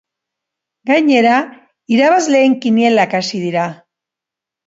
Gainera, irabazleen kinielak hasi dira.